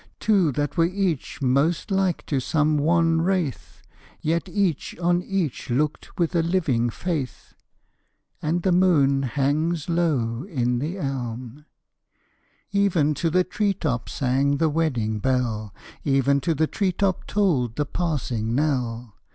Two that were each most like to some wan wraith: Yet each on each looked with a living faith. And the moon hangs low in the elm. Even to the tree top sang the wedding bell; Even to the tree top tolled the passing knell.